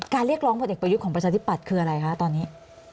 เรียกร้องผลเอกประยุทธ์ของประชาธิปัตย์คืออะไรคะตอนนี้